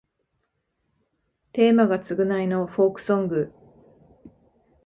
テーマが償いのフォークソング